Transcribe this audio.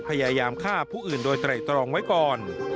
พยายามฆ่าผู้อื่นโดยไตรตรองไว้ก่อน